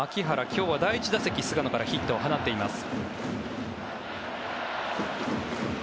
今日は第１打席菅野からヒットを放っています。